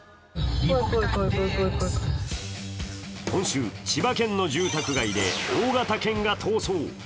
今週、千葉県の住宅街で大型犬が逃走。